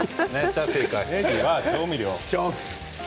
ねぎは、調味料。